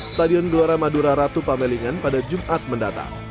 stadion gelora madura ratu pamelingan pada jumat mendatang